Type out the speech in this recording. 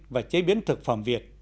và chế biến thực phẩm việt